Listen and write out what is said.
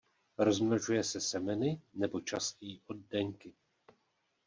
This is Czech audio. Rozmnožuje se semeny nebo častěji oddenky.